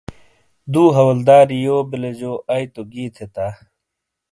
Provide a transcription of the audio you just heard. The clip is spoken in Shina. دو حولداری یو بیلے جو آئی تو گی تھے تا ۔